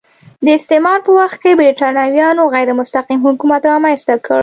د استعمار په وخت کې برېټانویانو غیر مستقیم حکومت رامنځته کړ.